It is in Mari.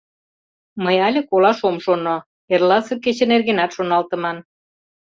— Мый але колаш ом шоно — эрласе кече нергенат шоналтыман.